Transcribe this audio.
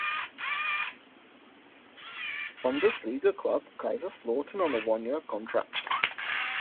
Bundesliga club Kaiserslautern on a one-year contract.